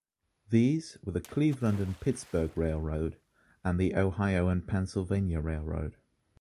These were the Cleveland and Pittsburgh Railroad and the Ohio and Pennsylvania Railroad.